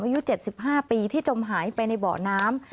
อายุ๗๕ปีที่จมหายไปในเบาะน้ำ